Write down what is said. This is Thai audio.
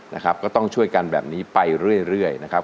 นะครับก็ต้องช่วยกันแบบนี้ไปเรื่อยนะครับ